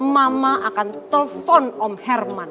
mama akan telpon om herman